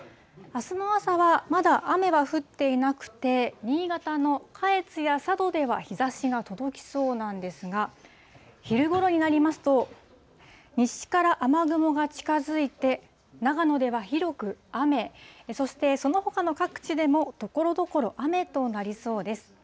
あすの朝はまだ雨は降っていなくて、新潟の下越や佐渡では日ざしが届きそうなんですが、昼ごろになりますと、西から雨雲が近づいて、長野では広く雨、そしてそのほかの各地でもところどころ、雨となりそうです。